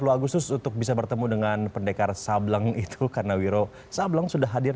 sepuluh agustus untuk bisa bertemu dengan pendekar sableng itu karena wiro sableng sudah hadir